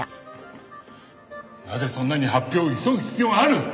なぜそんなに発表を急ぐ必要がある？